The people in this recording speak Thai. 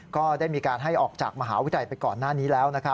ก็ได้มีการให้ออกจากมหาวิทยาลัยไปก่อนหน้านี้แล้ว